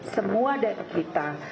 semua dari kita